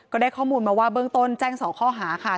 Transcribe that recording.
ก็ได้ข้อมูลมาว่าเบื้องต้นแจ้ง๒ข้อหาค่ะ